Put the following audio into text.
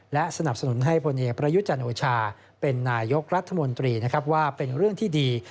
และสนับสนุนให้พลเอกประยุจันโอชาเป็นนายกรัฐมนตรีนะครับว่าเป็นเรื่องที่ดี